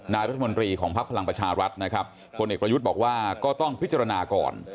นายรัฐมนตรีของพักพลังประชารัฐนะครับพลเอกประยุทธ์บอกว่าก็ต้องพิจารณาก่อน